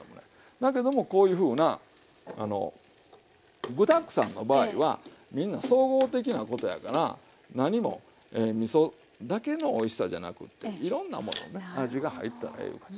だけどもこういうふうな具だくさんの場合はみんな総合的なことやからなにもみそだけのおいしさじゃなくていろんなものをね味が入ったらええいう感じ。